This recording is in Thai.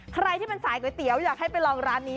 ใครที่เป็นสายก๋วยเตี๋ยวอยากให้ไปลองร้านนี้